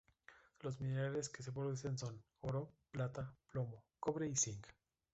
Los minerales que se producen son: oro, plata, plomo, cobre y zinc.